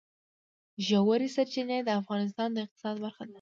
ژورې سرچینې د افغانستان د اقتصاد برخه ده.